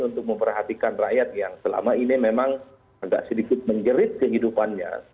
untuk memperhatikan rakyat yang selama ini memang agak sedikit menjerit kehidupannya